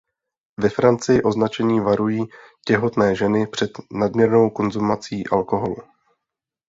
Ve Francii označení varují těhotné ženy před nadměrnou konzumací alkoholu.